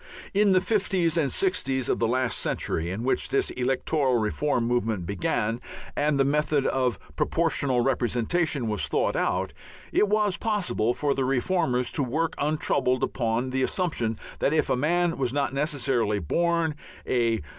In the fifties and sixties of the last century, in which this electoral reform movement began and the method of Proportional Representation was thought out, it was possible for the reformers to work untroubled upon the assumption that if a man was not necessarily born a